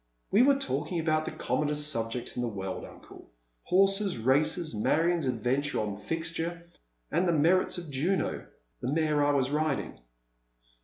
" We were talking about the commonest subjects in the world, uncle. Horses, races, Marion's adventure on Fixture, and th» merits of Juno — the mare I was riding."